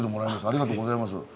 ありがとうございます。